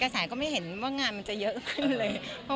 แกศแก็ไม่เห็นการมันจะเยอะไหมเลย